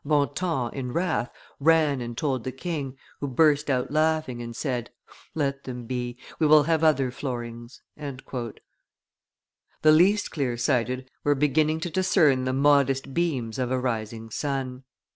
Bontemps, in wrath, ran and told the king, who burst out laughing and said, 'Let them be; we will have other floorings.'" The least clear sighted were beginning to discern the modest beams of a rising sun.